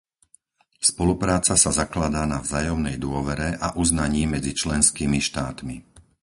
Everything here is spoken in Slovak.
Spolupráca sa zakladá na vzájomnej dôvere a uznaní medzi členskými štátmi.